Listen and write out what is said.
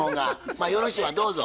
まあよろしいわどうぞ。